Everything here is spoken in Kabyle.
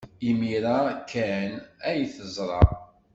Imir-a kan ay t-yeẓra.